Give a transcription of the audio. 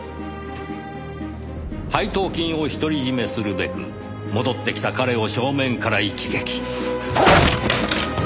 配当金を独り占めするべく戻ってきた彼を正面から一撃。